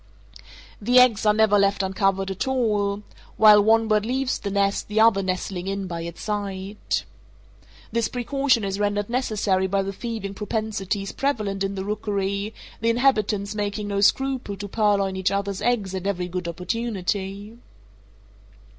The eggs are never left uncovered at all—while one bird leaves the nest the other nestling in by its side. This precaution is rendered necessary by the thieving propensities prevalent in the rookery, the inhabitants making no scruple to purloin each other's eggs at every good opportunity.